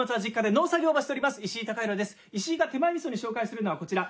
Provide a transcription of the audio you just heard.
石井が手前みそに紹介するのはこちら。